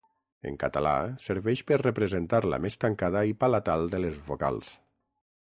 En català serveix per representar la més tancada i palatal de les vocals.